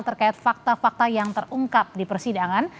terkait fakta fakta yang terungkap di persidangan